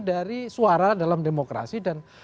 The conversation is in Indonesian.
jadi suara dalam demokrasi